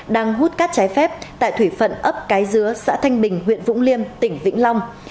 đang hút cát trái phép tại thủy phận ấp cái dứa xã thanh bình huyện vũng liêm tỉnh vĩnh long